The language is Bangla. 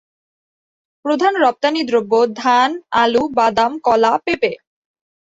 প্রধান রপ্তানিদ্রব্য ধান, আলু, বাদাম, কলা, পেঁপে।